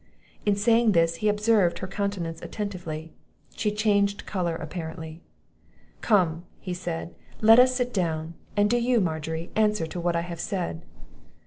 In saying this, he observed her countenance attentively; she changed colour apparently. "Come," said he, "let us sit down; and do you, Margery, answer to what I have said."